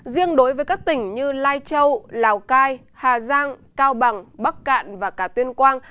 riêng đối với các tỉnh như lai châu lào cai hà giang cao bằng bắc cạn và cả tuyên quang